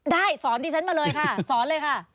ได้สอนดิฉันมาเลยค่ะสอนเลยค่ะ